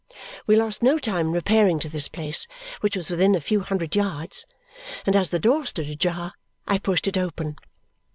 We lost no time in repairing to this place, which was within a few hundred yards; and as the door stood ajar, I pushed it open.